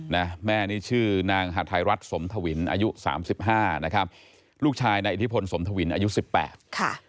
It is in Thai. แม่นี่ชื่อนางหาทัยรัฐสมทวินอายุสามสิบห้านะครับลูกชายนายอิทธิพลสมทวินอายุสิบแปดค่ะ